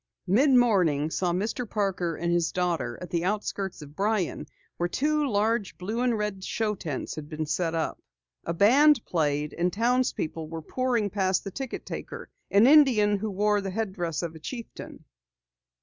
Early afternoon saw Mr. Parker and his daughter at the outskirts of Bryan where two large blue and red show tents had been set up. A band played, and townspeople were pouring past the ticket taker, an Indian who wore the headdress of a chieftain.